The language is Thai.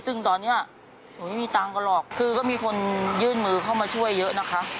ซึ่งตอนนี้หนูไม่มีตังค์กันหรอกคือก็มีคนยื่นมือเข้ามาช่วยเยอะนะคะ